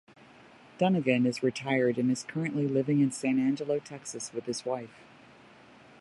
Dunagan is retired and is currently living in San Angelo, Texas, with his wife.